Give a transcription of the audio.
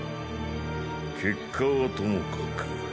結果はともかく。